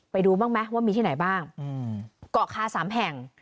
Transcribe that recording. ไปดูบ้างไหมว่ามีที่ไหนบ้างเกาะคาสามแห่ง